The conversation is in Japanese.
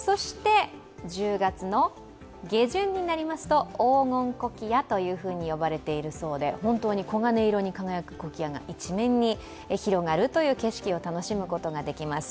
１０月の下旬になりますと黄金コキアと呼ばれているそうで、本当に黄金色に輝くコキアが一面に広がる景色を楽しむことができます。